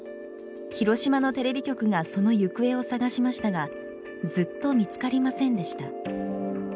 広島のテレビ局がその行方を捜しましたがずっと見つかりませんでした。